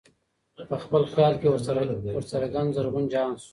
په خپل خیال کي ورڅرګند زرغون جهان سو